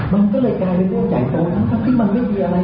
มันก็เลยกลายด้วยเป้าหมาย